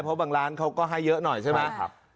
เพราะบางร้านเขาก็ให้เยอะหน่อยใช่ไหม